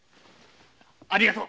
ありがとう。